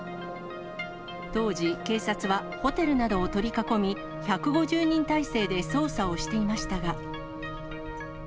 当時、警察はホテルなどを取り囲み、１５０人態勢で捜査をしていましたが。